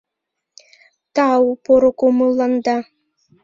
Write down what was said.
— Тау поро кумылланда!